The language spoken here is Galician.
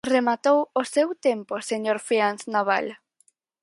Rematou o seu tempo, señor Freáns Nabal.